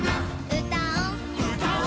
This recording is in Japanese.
「うたお」うたお。